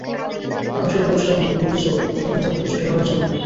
আনুশের বয়স যখন নব্বই বছর, তখন তাঁর পুত্র কীনান-এর জন্ম হয়।